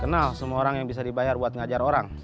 kenal semua orang yang bisa dibayar buat ngajar orang